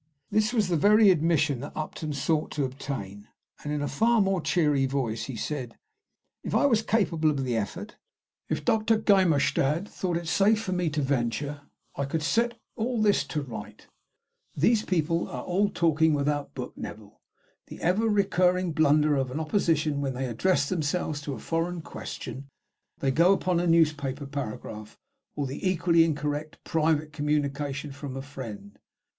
This was the very admission that Upton sought to obtain, and in a far more cheery voice he said, "If I was capable of the effort, if Doctor Geimirstad thought it safe for me to venture, I could set all this to right. These people are all talking 'without book,' Neville, the ever recurring blunder of an Opposition when they address themselves to a foreign question: they go upon a newspaper paragraph, or the equally incorrect 'private communication from a friend.'